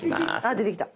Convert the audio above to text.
あ出てきた。